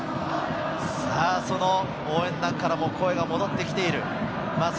応援団からも声が戻ってきている。